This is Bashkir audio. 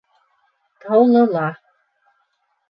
Таулыла.